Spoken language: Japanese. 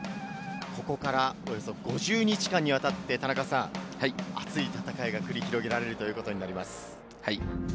ここから５０日間にわたって熱い戦いが繰り広げられるということになります。